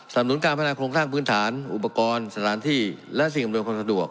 นุนการพัฒนาโครงสร้างพื้นฐานอุปกรณ์สถานที่และสิ่งอำนวยความสะดวก